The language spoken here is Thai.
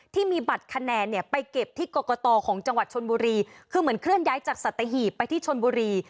ที่มีบัตรคะแนนเนี่ยไปเก็บที่กรกตของจังหวัดชนบุรีคือเหมือนเคลื่อนย้ายจากสัตหีบไปที่ชนบุรี